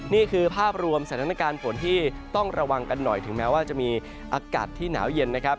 นี่คือภาพรวมสถานการณ์ฝนที่ต้องระวังกันหน่อยถึงแม้ว่าจะมีอากาศที่หนาวเย็นนะครับ